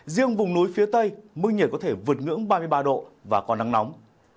riêng vùng núi phía tây mức nhiệt có thể vượt ngưỡng ba mươi ba độ và có nắng nóng